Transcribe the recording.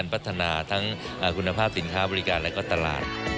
พัฒนาทั้งคุณภาพสินค้าบริการและก็ตลาด